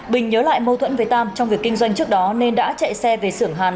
bình nhớ lại mâu thuẫn với tam trong việc kinh doanh trước đó nên đã chạy xe về sưởng hàn